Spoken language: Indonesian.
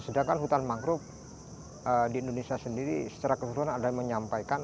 sedangkan hutan mangrove di indonesia sendiri secara keseluruhan ada yang menyampaikan